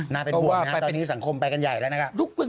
น่าเป็นห่วงนะครับตอนนี้สังคมไปกันใหญ่แล้วนะครับ